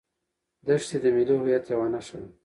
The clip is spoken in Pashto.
دښتې د ملي هویت یوه نښه ده.